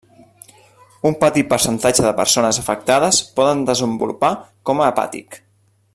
Un petit percentatge de persones afectades poden desenvolupar coma hepàtic.